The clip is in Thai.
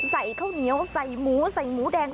ใส่ข้าวเหนียวใส่หมูใส่หมูแดง